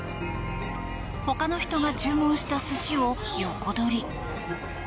他の人が注文した寿司を横取り。